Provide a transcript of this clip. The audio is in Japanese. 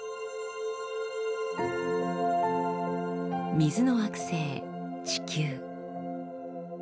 水の惑星地球。